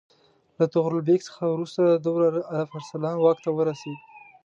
له طغرل بیګ څخه وروسته د ده وراره الپ ارسلان واک ته ورسېد.